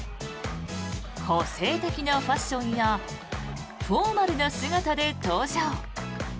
個性的なファッションやフォーマルな姿で登場。